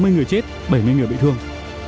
sáu mươi người chết bảy mươi người bị thương